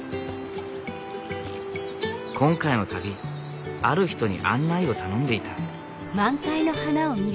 今回の旅ある人に案内を頼んでいた。